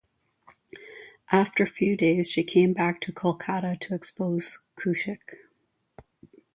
After few days she came back to Kolkata to expose Koushik.